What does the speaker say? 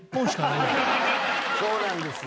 そうなんですよ。